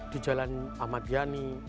di jalan ahmad yani